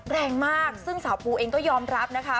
แรงมากซึ่งสาวปูเองก็ยอมรับนะคะ